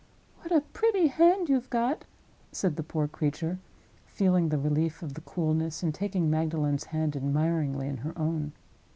"What a pretty hand you've got!" said the poor creature, feeling the relief of the coolness and taking Magdalen's hand, admiringly, in her own.